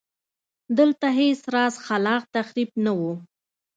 دلته هېڅ راز خلاق تخریب نه و.